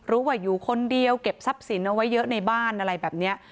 รู้ว่าอยู่คนเดียวเก็บทรัพย์สินเอาไว้เยอะในบ้านอะไรแบบนี้